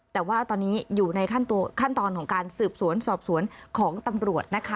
แต่ว่าตอนนี้อยู่ในขั้นตอนของการสืบสวนสอบสวนของตำรวจนะคะ